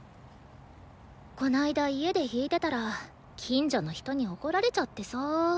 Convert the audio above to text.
この間家で弾いてたら近所の人に怒られちゃってさ。